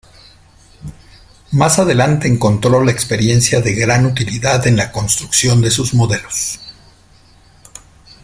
Más adelante encontró la experiencia de gran utilidad en la construcción de sus modelos.